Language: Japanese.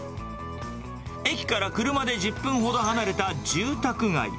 駅から車で１０分ほど離れた住宅街。